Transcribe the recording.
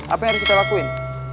apa yang harus kita lakuin